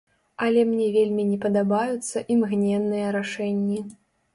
Але мне вельмі не падабаюцца імгненныя рашэнні.